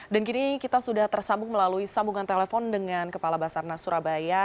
dan kini kita sudah tersambung melalui sambungan telepon dengan kepala basarnas surabaya